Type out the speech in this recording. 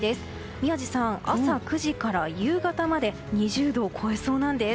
宮司さん、朝９時から夕方まで２０度を超えそうなんです。